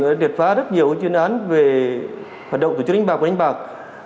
đã triệt phá rất nhiều chuyên án về hoạt động tổ chức đánh bạc và đánh bạc